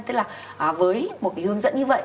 tức là với một cái hướng dẫn như vậy